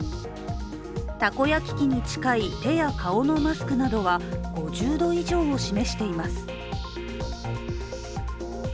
たこ焼き器に近い手や顔のマスクなどは５０度以上を示しています。